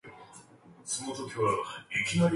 It inhabits areas of cool upwelling.